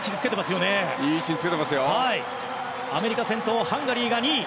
アメリカ、先頭ハンガリーが２位。